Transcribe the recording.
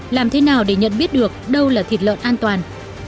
làm thế nào để nhận biết được đâu là thịt lợn an toàn